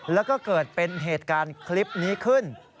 แล้วก็เกิดเป็นเหตุการณ์คลิปนี้ขึ้น